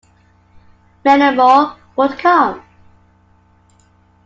Many more would come.